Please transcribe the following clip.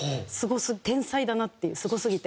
天才だなっていうすごすぎて。